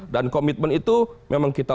dan komitmen itu memang kita